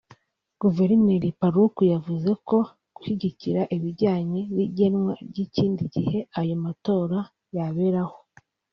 Guverineri Paluku yavuze ko gushyigikira ibijyanye n’igenwa ry’ikindi gihe ayo matora yaberaho